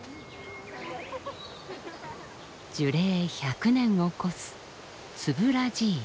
樹齢１００年を超すツブラジイ。